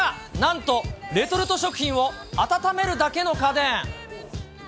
なんと、レトルト食品を温めるだけの家電。